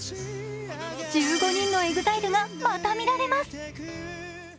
１５人のＥＸＩＬＥがまた見られます。